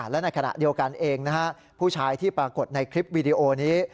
และในขณะเดียวกันเองนะฮะผู้ชายที่ปรากฏในคลิปวีดีโอนี้